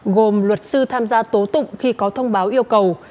gồm luật sư tham gia tố tụng khi có thông báo yêu cầu